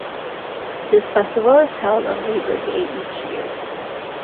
This festival is held on Labor Day each year.